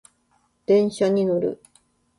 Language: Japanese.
電車に乗る